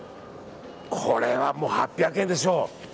これはもう８００円でしょう。